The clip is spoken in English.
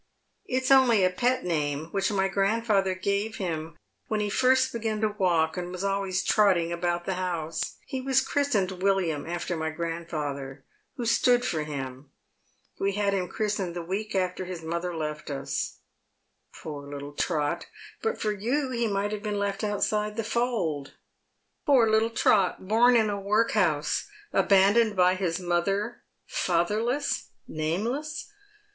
"" It is only a pet name which my grandfather gttve him when he first began to walk and was always trotting about the houro. 256 Diad Men's Skses. He was christened William after my grandfather, who stood fo9 him. We had him christened the week after his mother left us.'* " Poor httle Trot, but for you he might have been left outside the fold. Poor little Trot, born in a workhouse, abandoned by his mother, fatherless, nameless